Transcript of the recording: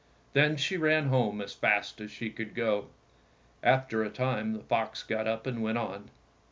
Then she ran home as fast as she could go. After a time the fox got up and went on.